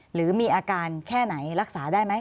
หรือมีอาการแค่ไหนรักษาได้ไหม